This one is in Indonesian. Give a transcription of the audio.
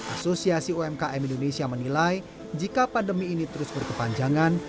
asosiasi umkm indonesia menilai jika pandemi ini terus berkepanjangan